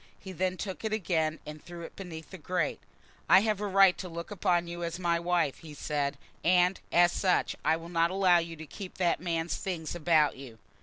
He then took it again and threw it beneath the grate. "I have a right to look upon you as my wife," he said, "and, as such, I will not allow you to keep that man's things about you."